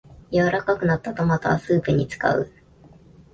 柔らかくなったトマトはスープに使う